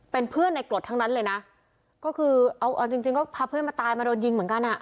เป็นเพื่อนในกรดทั้งนั้นเลยนะก็คือเอาเอาจริงจริงก็พาเพื่อนมาตายมาโดนยิงเหมือนกันอ่ะ